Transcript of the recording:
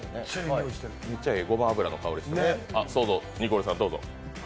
めっちゃええ、ごま油の香りがしてる。